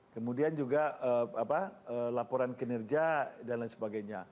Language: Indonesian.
kemudian juga laporan kinerja dan lain sebagainya